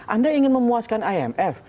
anda ingin memuaskan imf